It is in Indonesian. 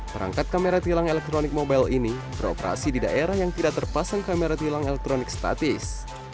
perangkat kamera tilang elektronik mobile ini beroperasi di daerah yang tidak terpasang kamera tilang elektronik statis